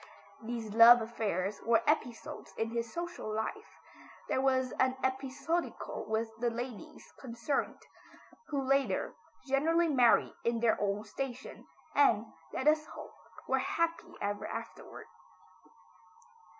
These love affairs were episodes in his social life. They were as episodical with the ladies concerned, who later, generally married in their own station, and, let us hope were happy ever afterward.